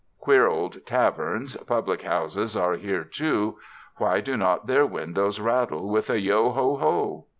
Queer old taverns, public houses, are here, too. Why do not their windows rattle with a "Yo, ho, ho"?